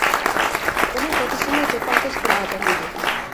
ئۇنىڭ دادىسىمۇ جاپاكەش بىر ئادەم ئىدى.